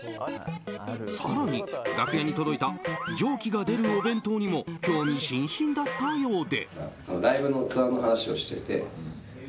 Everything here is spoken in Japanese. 更に、楽屋に届いた蒸気が出るお弁当にも興味津々だったようで。